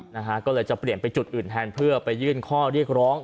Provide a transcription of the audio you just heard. นะฮะก็เลยจะเปลี่ยนไปจุดอื่นแทนเพื่อไปยื่นข้อเรียกร้อง